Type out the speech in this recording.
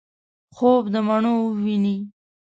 خوب دمڼو وویني